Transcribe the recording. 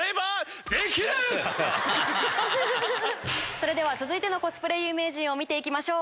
それでは続いてのコスプレ有名人見ていきましょう！